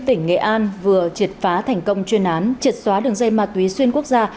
tỉnh nghệ an vừa triệt phá thành công chuyên án triệt xóa đường dây ma túy xuyên quốc gia